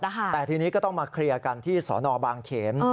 แต่ทีนี้ก็ต้องมาเคลียร์กันที่สนบางเขน